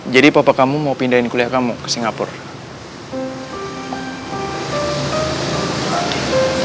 jadi papa kamu mau pindahin kuliah kamu ke singapura